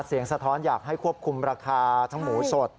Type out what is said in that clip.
สะท้อนอยากให้ควบคุมราคาทั้งหมูสด